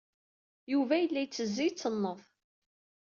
Yuba yella yettezzi, yettenneḍ.